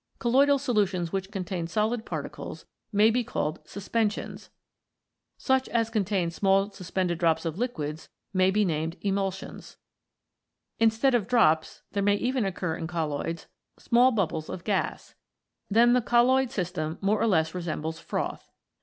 Colloidal solutions which contain solid particles may be called Suspensions, such as contain small suspended drops of liquids may be named Emul sions. Instead of drops there may even occur in colloids small bubbles of gas. Then the colloid system more or less resembles froth.